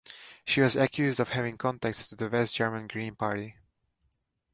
She was accused of having contacts to the West German Green Party.